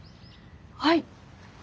はい。